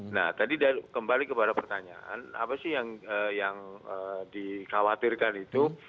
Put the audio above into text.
nah tadi kembali kepada pertanyaan apa sih yang dikhawatirkan itu